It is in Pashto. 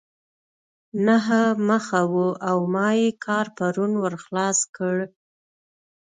نهه مخه وه او ما ئې کار پرون ور خلاص کړ.